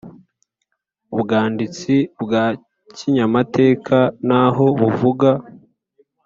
ubwanditsi bwa kinyamateka ntaho buvuga